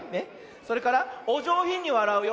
それからおじょうひんにわらうよ。